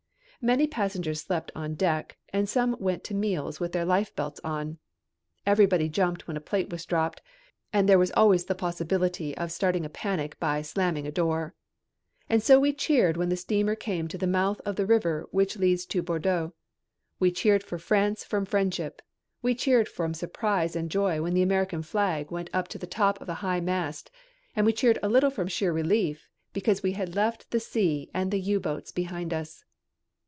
Many passengers slept on deck and some went to meals with their lifebelts on. Everybody jumped when a plate was dropped and there was always the possibility of starting a panic by slamming a door. And so we cheered when the steamer came to the mouth of the river which leads to Bordeaux. We cheered for France from friendship. We cheered from surprise and joy when the American flag went up to the top of a high mast and we cheered a little from sheer relief because we had left the sea and the U boats behind us.